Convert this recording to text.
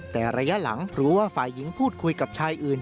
แต่ระยะหลังรู้ว่าฝ่ายหญิงพูดคุยกับชายอื่น